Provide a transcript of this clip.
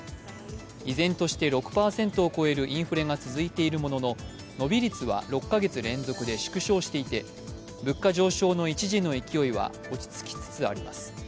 依然として６％を超えるインフレが続いているものの伸び率は６か月連続で縮小していて物価上昇の一時の勢いは落ち着きつつあります。